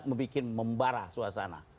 membuat membarah suasana